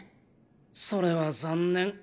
それは残念。